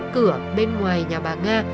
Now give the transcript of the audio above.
cửa bên ngoài nhà bà nga